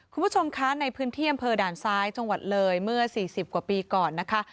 คุณผู้ชมคะในพื้นที่อำเภอด่านซ้ายจังหวัดเลยเมื่อ๔๐กว่าปีก่อนนะคะ